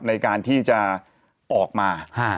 ในการที่จะออกมา